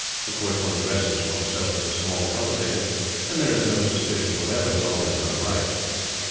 Of course, one dresses one's self as a small cultivator; and there is no suspicion, whatever, that all is not right.